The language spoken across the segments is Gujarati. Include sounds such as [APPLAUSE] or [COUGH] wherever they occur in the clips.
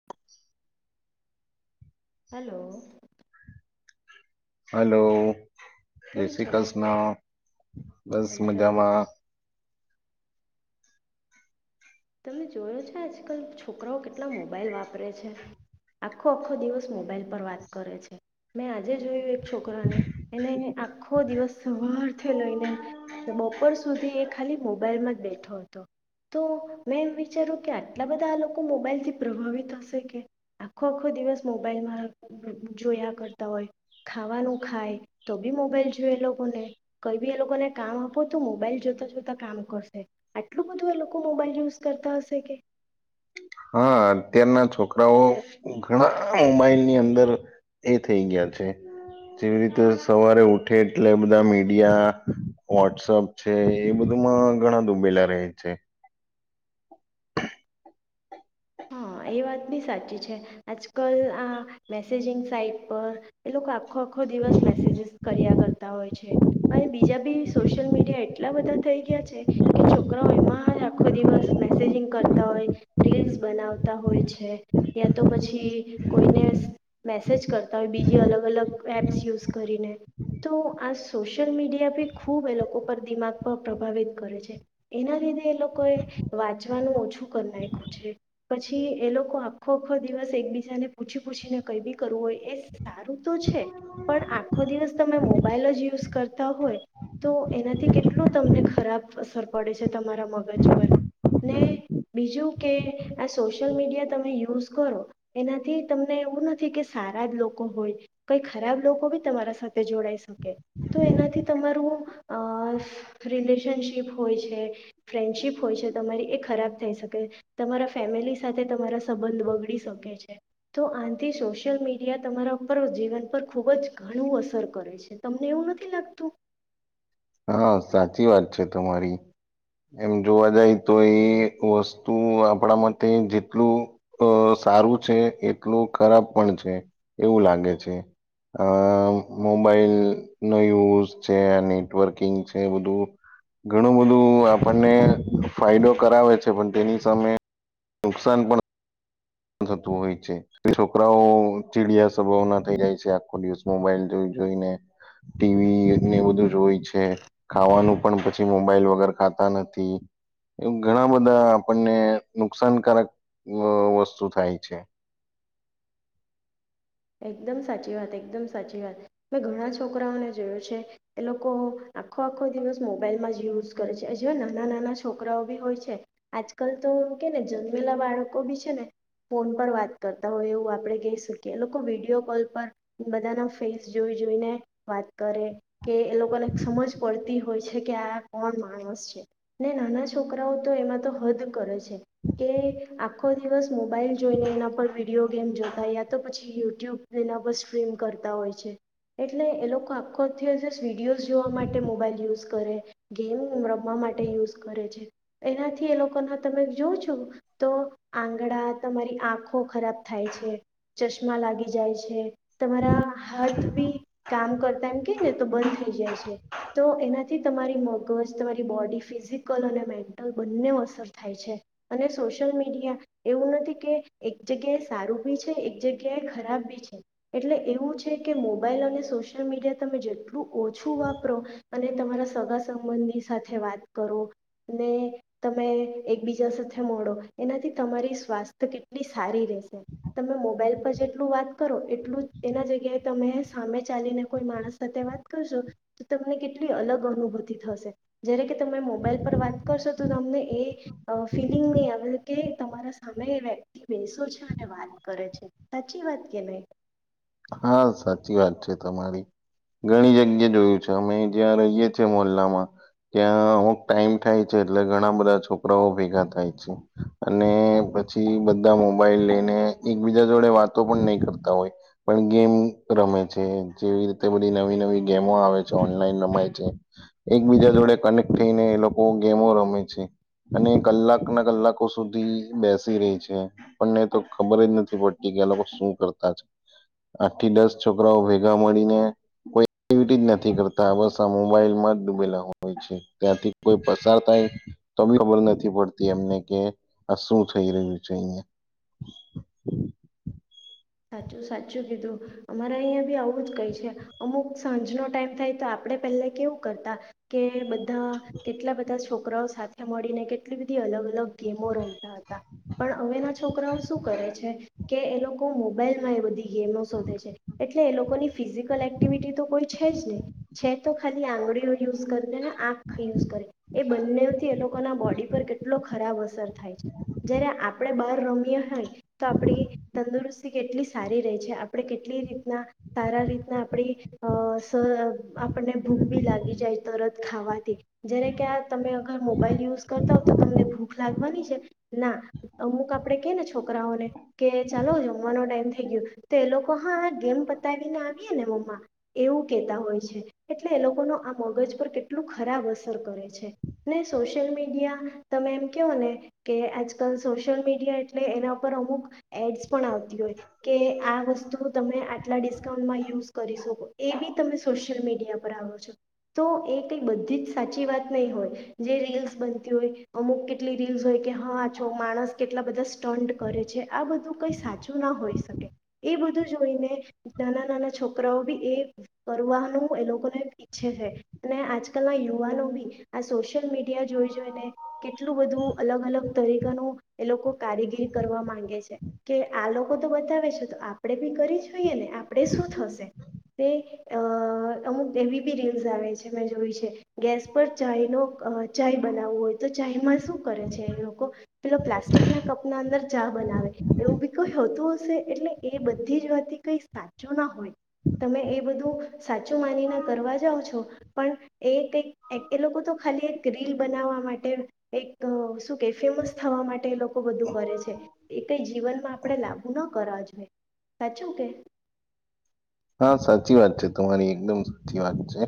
[INAUDIBLE] હલો હલો જય કેમ છો શ્રીકૃષ્ણ બસ બધ ઘરે બધ મજામાં તમે જોયો છે આજકાલ છોકરાઓ કેટલા મોબાઈલ વાપરે છે આખો આખો દિવસ મોબાઈલ પર વાત કરે છે મેં આજે જોયું એક છોકરાને એને આખો દિવસ સવારથી લઈને બપોર સુધી એ ખાલી મોબાઈલમાં જ બેઠો હતો તો મેં એ વિચાર્યું કે આટલા બધા આ લોકો મોબાઈલથી પ્રભાવિત હશે કે આખો આખો દિવસ મોબાઈલમાં જોયા કરતા હોય ખાવાનું ખાય તો બી મોબાઈલ જોઈ એ લોકોને કંઈ બી એ લોકોને કામ આપો તો મોબાઈલ જોતા જોતા કામ કરશે આટલું બધું એ લોકો મોબાઈલ યુઝ કરતા હશે કે હા અત્યારના છોકરાઓ ઘણા મોબાઈલની અંદર એ થઈ ગયા છે જેવી રીતે સવારે ઉઠે એટલે બધા મીડિયા વોટ્સઅપ છે એ બધુંમાં ઘણા દૂબેલા રહે છે હા એ વાત બી સાચી છે આજકાલ આ મેસેજિંગ સાઈટ પર એ લોકો આખોખો દિવસ મેસેજસ કર્યા કર કરતા હુએ છે અને બીજા બી સોશિયલ મીડિયા એટલા બધા થઈ ગયા છે કે છોકરાઓ એમાં આખો દિવસ મેસેજિંગ કરતા હોય રીલ્સ બનાવતા હોય છે યા તો પછી કોઈને મેસેજ કરતા હોય બીજી અલગ અલગ એપ્સ યુઝ કરીને તો આ સોશિયલ મીડિયા બી ખૂબ એ લોકો પર દિમાગ પર પ્રભાવિત કરે છે એના લીધે એ લોકોએ વાંચવાનું ઓછું કરી નાખ્યું છે પછી એ લોકો આખો આખો દિવસ એકબીજાને પૂછી પૂછીને કઈ બી કરવું હોય એ સારું તો છે પણ આખો દિવસ તમે મોબાઈલ જ યુઝ કરતા હોય તો એનાથી કેટલું તમને ખરાબ અસર પડે છે તમારા મગજ પર ને બીજું કે આ સોશિયલ મીડિયા તમે યુઝ કરો એનાથી તમને એવું નથી કે સારા જ લોકો હોય કંઈ ખરાબ લોકો બી તમારા સાથે જોડાઈ શકે તો એનાથી તમારું અ રિલેશનશીપ હોય છે ફ્રેન્ડશીપ હોય છે તમારી એ ખરાબ થઈ શકે તમારા ફેમિલી સાથે તમારા સંબંધ બગડી શકે છે તો આથી સોશિયલ મીડિયા તમારા ઉપર જીવન પર ખૂબ જ ઘણું અસર કરે છે તમને એવું નથી લાગતું હા સાચી વાત છે તમારી એમ જોવા જાય તો એ વસ્તુ આપણા માટે જેટલું અ સારું છે એટલું ખરાબ પણ છે એવું લાગે છે અ મોબાઈલ નો યુઝ છે અને નેટવર્કિંગ છે બધું ઘણું બધું આપણને ફાયદો કરાવે છે પણ તેની સામે નુકસાન પણ થતું હોય છે કે છોકરાઓ ચીડિયા સ્વભાવ ના થઈ જાય છે આખો દિવસ મોબાઈલ જોઈને ટીવીને બધું જ હોય છે ખાવાનું પણ પછી મોબાઈલ વગર ખાતા નથી એ ઘણા બધા આપણને નુકસાનકારક વ વસ્તુ- થાય છે એકદમ સાચી વાત એકદમ સાચી વાત મે ઘણા છોકરાઓને જોયું છે એ લોકો આખો આખો દિવસ મોબાઈલમાં જ યુઝ કરે છે જેવા નાના નાના છોકરાઓ બી હોય છે આજકાલ તો કે ને જન્મેલા બાળકો બી છે ને ફોન પર વાત કરતા હોય એવું આપડણે કહી શકીએ લોકો વિડીયો કોલ પર બધાના ફેસ જોઈ જોઈને વાત કરે કે એ લોકોને સમજ પડતી હોય છે કે આ કોણ માણસ છે ને નાના છોકરાઓ તો એમાં તો હદ કરે છે કે આખો દિવસ મોબાઈલ જોઈને એના પર વિડીયો ગેમ જોતા યા તો પછી યુટ્યુબ એના પર સ્ટ્રીમ કરતા હોય છે એટલે એ લોકો આખો વિડીયોઝ જોવા માટે મોબાઈલ યુઝ કરે ગેમ રમવા માટે યુઝ કરે છે એનાથી એ લોકોના તમે જો છો તો આંગળા તમારી આંખો ખરાબ થાય છે લાગી જાય છે તમારા હાથ બી કામ કરતા એમ કેને તો બંધ થઈ જાય છે તો એનાથી તમારી મગજ તમારી બોડી ફિઝિકલ અને મેન્ટલ બંનેઓ અસર થાય છે અને સોશિયલ મીડિયા એવું નથી કે એક જગ્યાએ સારું બી છે એક જ્- જ્યા ખરાબ બી છે એટલે એવું છે કે મોબાઈલ અને સોશિયલ મીડિયા તમે જેટલું ઓછું વાપરો અને તમારા સગા સંબંધી સાથે વાત કરોને તમે એકબીજા સાથે મળો એનાથી તમારી સ્વાસ્થ્ય કેટલી સારી રહેશે તમે મોબાઈલ પર જેટલું વાત કરો એટલું એના જગ્યાએ તમે સામે ચાલીને કોઈ માણસ સાથે વાત કરશો તો તમને કેટલી અલગ અનુભૂતિ થશે જ્યારે કે તમે મોબાઈલ પર વાત કરશો તો તમને એ ફિલિંગ નહીં આવે કે તમારા સામે એ વ્યક્તિ બેસો છે અને વાત કરે છે સાચી વાત કે નહી હા સાચી વાત છે તમારી ઘણી જગ્યા જોયું અમે જ્યાં રહીએ છએ મોલ્લામાં ત્યાં અમુક ટાઈમ થાય છે એટલે ઘણા બધા છોકરાઓ ભેગા થાય છે અને પછી બધા મોબાઈલ લઈને એકબીજા જોડે વાતો પણ નહી કરતા હોય પણ ગેમ રમે છે જેવી રીતે બધી નવી નવી ગેમો આવે છે ઓનલાઈન રમાય છે એકબીજા જોડે કનેક્ટ થઈને એ લોકો ગેમો રમે છે અને કલાક ના કલાકો સુધી બેસી રહી છે પણને તો ખબર જ નથી પડતી કે આ લોકો શું કરતા છે આઠ થી દસ છોકરાઓ ભેગા મળીને કોઈ એક્ટિવિટી જ નથી કરતા બસ આ મોબાઈલમાં જ ડૂબેલા હોય છે ત્યાંથી કોઈ પસાર થાય તો બી ખબર નથી પડતી એમને કે આ શું થઈ રહ્યું છે એ સાચું સાચું કીધું અમારે અહંયા બી આવું જ કઈ છે અમુક સાંજ નો ટાઈમ થાય તો આપડણે પહેલા કેવું કરતા કે બધા કેટલા બધા છોક છોકરાઓ સાથે મળીને કેટલી બધી અલગ અલગ ગેમો રમતા હતા પણ હવે ના છોકરાઓ શું કરે છે કે એ લોકો તો મોબાઈલમાં એ બઘી ગેમો શોધે છે એટલે એ લોકોની ફિઝિકલ એક્ટિવિટી તો કોઈ છે જ નહી છે ખ આંગળી યુઝ કરે ને આંખ યુઝ કરે એ બનેઓ થી એ લોકો ના બોડી પર કેટલો ખરાબ અસર થાય છે જ્યારે આપણે બાર રમ્યા હાઈ તો આપણી તંદુરસ્ કેટલી સારી રે છે આપણે કેટલી રીતના સારા રીતના આપણી અ આપને ભૂખ બી લાગી જાય તરત ખાવાથી જેને કે આ તમે અગર મોબાઈલ યુઝ કરતા હો તો તમને ભૂખ લાગવાની છે ના અમુક આપણે કે ને છોકરાઓને કે ચાલો જ જમવાનો ટાઈમ થઈ ગયો તો એ લોકો હા આ ગેમ પતાવીને આવીય ને મમ્મા એવું કહેતા હોય છે એટલે એ લોકો ન આ મગજ પર કેટલું ખરાબ અસર કરે છે ને સોશિયલ મીડિયા તમે એમ કહો ને કે આજકાલ સોશિયલ મીડિયા એટલે એના પર અમુક એડસ પણ આવ કે આ વસ્તુ તમે આટલા ડિસ્કાઉન્ટમાં યુઝ કરી શકો એ બી તમે સ સોશિયલ મીડિયા પર આવો છો તો એ કંઈ બધી જ સાચી વાત નહી હોય જે રીલ્સ બનતી હોય અમુક કેટલી રીલ્સ હોય કે હા છો માણસ કેટલા બધા સ્ટન્ટ કરે છે આ બધું કંઈ સાચું સાચું ના હોય શકે એ બધું જોઈને નાના નાના છોકરાઓ બી એ કરવાનું એ લોકોને ઈચ્છે છે અને આજકાલના યુવાનો બી આ સો સોશિલ મીડિયા જોઈ જોઈને કેટલું બધું અલગ અલગ તરીકાનું એ લોકો કારીગીરી કરવા માંગે છે કે આ લોકો તો બતાવે છે તો આપણે બી કરી જોઈએ ને આપણેે શું થશે અ અમુક એવી બી રીલ્સ આવે છે મેં જોઈ છે ગેસ પર ચાયનો ચાય બનાવવો હોય તો ચાય માં શું કરે છે એ લોક કો પેલો પ્લાસ્ટિકના કપના અંદર ચા બનાવે એવું બી કઈ હોતું હશે એટલે એ બધી જ વાતી કઈ સાચું ના હોય તમે એ બધું સાચું માનીને કરવા જાઓ છો પણ એ કઈક એ લોકો તો ખાલી એક રિલ બનાવવા માટે એક શું કેય ફેમસ થવા માટે એ લોકો બધું કરે છે એ કઈ જીવનમાં ન કરવા જોઈએ સાચું કે? હા સાચી વાત છે તમારી એકદમ સાચી વાત છે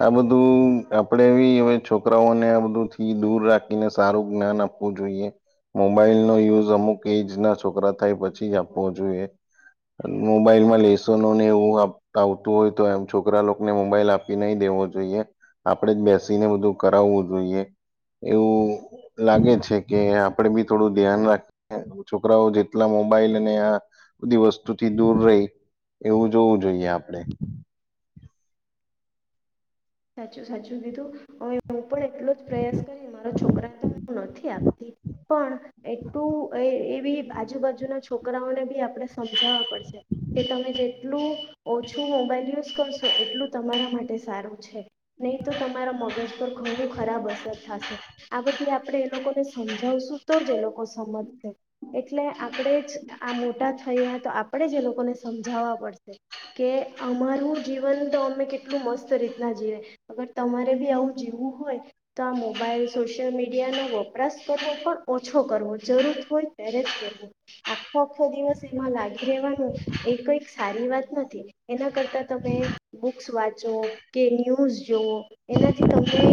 આ બધું આપડે બી હવે છોકરાઓને આ બધું થી દૂર રાખીને સારું જ્ઞાન આપવું જોઈએ મોબાઈલનો યુઝ અમુક એજના છોકરા થાય પછી જ આપવો જોઈએ મોબાઈલમાં લે શને એવું આવતું હોય તો એમ છોકરા લોકોને મોબાઈલ આપી નઈ દેવો જોઈએ આપડે જ બેસીને બધું કરાવવું જોઈએ એવું લાગે છે કે આપણે બી થોડું ધ્યાન રાખી છોકરાઓ જેટલા મોબાઈલને આ બધી વસ્તુથી દૂર રેય એવું જોવું જોઈએ આપણેે. સાચું સાચું કીધું હવે હું પણ એટલો જ પ્રયાસ કરી મારા છોકરા તો હું નથી આપતી પણ એટલું એવી આજુબાજુના છોકરાઓને બી આપણે સમજાવવા પડશે કે તમે જેટલું ઓછું મોબાઈલ યુઝ કરશો એટલું તમારા માટે સારું. છે. નહી તો તમારા મગજ પર ઘણું ખરાબ અસર થાશે આ બધી આપણે એ લોકોને [UNINTELLIGIBLE] જવશું તો જ એ લોકો સમજશે એટલે આપણે જ આ મોટા થઈએ તો આપણે જ એ લોકોને સમજાવવા પડશે કે અમારું જીવન તો અમે કેટ કેટલું મસ્ત રીત ના જીવે અગર તમારે બી આવું જીવું હોય તો આ મોબાઈલ સોશિયલ મીડિયાનો વપરાશ કરવો પણ ઓછો કરવો જરૂર હોય ત્યારે જ કરવો આખો આખો દિવસ એમાં લાગી રહેવાનું એ કંઈક સારી વાત નથી એના કરતા તમે બુક્સ વાંચો. કે ન્યૂઝ જોવો. એનાથી તમને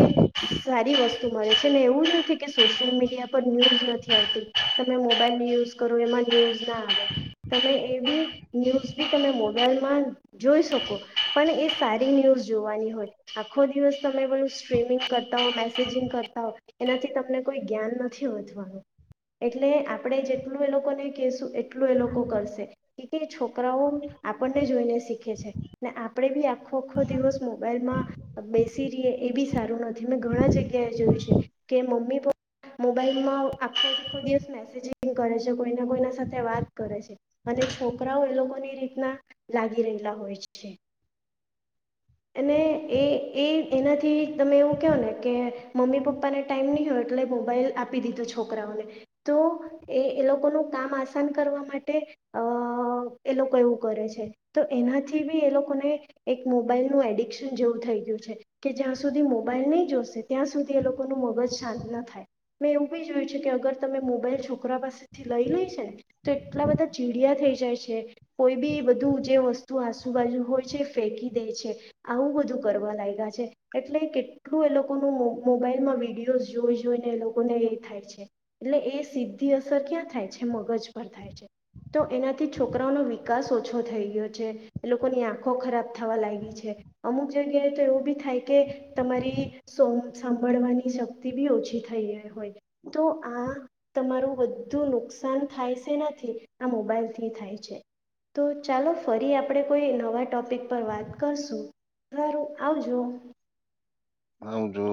સારી વસ્તુ મળે છે ને એવું જ નથી કે સોશિયલ મીડિયા પર ન્યૂઝ નથી આવતી તમે મોબાઈલની યુઝ કરો એમાં ન્યૂઝ ના આવે તમે એ બી ન્યૂઝ બી તમે મોબાઈલમાં જોઈ શકો પણ એ સારી ન્યૂઝ જોવાની હોય આખો દિવસ તમે બધું સ્ટ્રીમિંગ કરતા હો, મેસેજિંગ કરતા હો એનાથી તમને કોઈ જ્ઞાન નથી વધવાનું એટલે આપણે જેટલું એ લોકોને કહેશું એટલું એ લોકો કરશે કેય કે છોકરાઓ આપણને જોઈને શીખે છે ને આપણે બી આખો આખો દિવસ મોબાઈલમાં બેસી રીએ એ બી સારું નથી મેં ઘણા જગ્યાએ જોયું છે કે મમ્મી પપ્પા મોબાઈલમાં આખો આખો દિવસ મેસેજિંગ કરે છે, કોઈના કોઈના સાથે વાત કરે છે અને છોકરાઓ એ લોકોની રીતના લાગી રહેલા હોય છે. અને એ એ એનાથી તમે એવું કેવો ને કે મમ્મી પપ્પાને ટાઈમ નહી હોય એટલે મોબાઈલ આપી દીધું છોકરાઓને તો એ એ લોકોનું કામ આસાન કરવા માટે અ એ લોકો એવું કરે છે તો એનાથી બી એ લોકોને મોબાઈલનું એડિક્શન જેવું થઈ ગયું છે કે જ્યાં સુધી મોબાઈલ નહીં જોશે ત્યાં સુધી એ લોકોનું મગજ શાંત ન થાય મેં એવું બી જોયું છે કે અગર તમે મોબાઈલ છોકરા પાસેથી લઈ લેય છે ને તો એટલા બધા ચીડિયા થઈ જાય છે કોઈ બી બધું જે વસ્તુ આસુબાજુ હોય છે ફેંકી દે છે આવું બધું કરવા લાયગા છે એટલે કેટલું એ લોકોનું મોબાઈલમાં વિડીયોઝ જોઈ જોઈને એ લોકોને એ થાય છે એટલે એ સીધી અસર ક્યાં થાય છે મગજ પર થાય છે. તો એનાથી છોકરાઓનો વિકાસ ઓછો થઈ ગયો છે એ લોકોની આંખો ખરાબ થવા લાયગી છે અમુક જગ્યાએ તો એવું બી થાય કે તમારી સો સાંભળવાની શક્તિ બી ઓછી થઈ હોય તો આ તમારું બધું નુકસાન થાય છે નથી આ મોબાઈલથી થાય શેનાથી તો ચાલો ફરી આપણે કોઈ નવા ટોપિક પર વાત કરશું સારું આવજો. આવજો.